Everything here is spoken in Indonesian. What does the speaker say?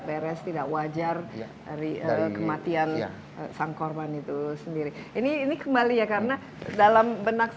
beres tidak wajar dari kematian sang korban itu sendiri ini ini kembali ya karena dalam benak